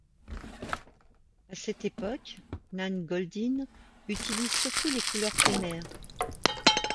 À cette époque, Nan Goldin utilise surtout les couleurs primaires.